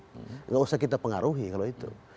tidak usah kita pengaruhi kalau itu